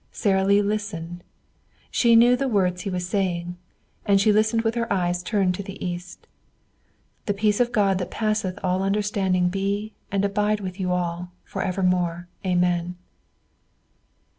Sara Lee listened. She knew the words he was saying, and she listened with her eyes turned to the east: "The peace of God that passeth all understanding be and abide with you all, forevermore. Amen."